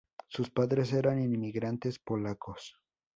Sus padres eran inmigrantes polacos.